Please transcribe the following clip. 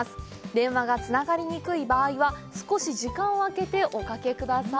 電話がつながりにくい場合は少し時間を空けておかけください。